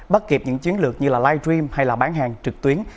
bắt kịp những chiến lược như live stream hay là bán hàng trực tuyến